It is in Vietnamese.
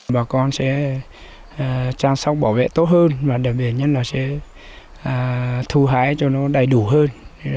bà con sẽ chăm sóc bảo vệ tốt hơn và đặc biệt nhất là sẽ thu hái cho nó đầy đủ hơn